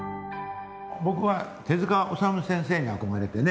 僕は手治虫先生に憧れてね